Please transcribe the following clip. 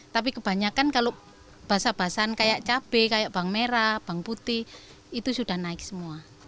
tapi kebanyakan kalau basah basahan kayak cabai kayak bawang merah bawang putih itu sudah naik semua